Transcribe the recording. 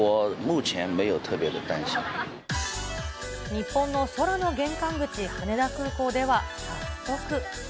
日本の空の玄関口、羽田空港では、早速。